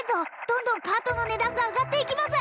どんどんカートの値段が上がっていきます